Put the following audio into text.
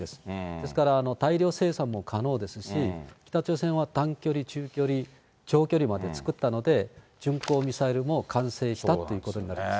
ですから、大量生産も可能ですし、北朝鮮は短距離、中距離、長距離も作ったので、巡航ミサイルも完成したということになります。